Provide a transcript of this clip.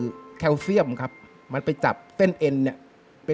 มีคลาสเซียมที่จะจับเส้นเอ็นนยัย